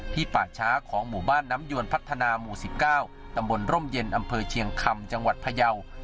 ป่าช้าของหมู่บ้านน้ำยวนพัฒนาหมู่๑๙ตำบลร่มเย็นอำเภอเชียงคำจังหวัดพยาว